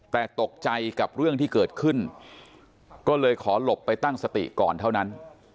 แต่ตกใจกับเรื่องที่เกิดขึ้นก็เลยขอหลบไปตั้งสติก่อนเท่านั้น